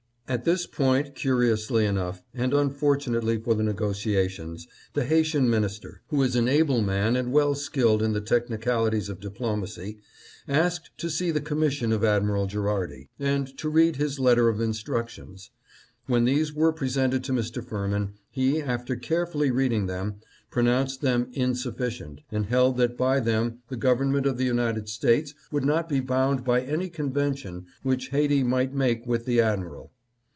" At this point, curiously enough, and unfortunately for the negotiations, the Haitian Minister, who is an able man and well skilled in the technicalities of diplo macy, asked to see the commission of Admiral Gherardi 740 UNFORTUNATE DELAY. and to read his letter of instructions. When these were presented to Mr. Firmin, he, after carefully reading them, pronounced them insufficient, and held that by them the government of the United States would not be bound by any convention which Haiti might make with the admiral.